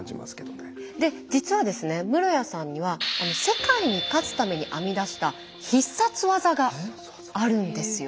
で実はですね室屋さんには世界に勝つために編み出した必殺技があるんですよ。